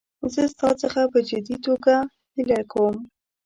زه ستا څخه په جدي توګه هیله کوم.